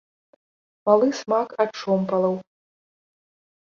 Малы смак ад шомпалаў.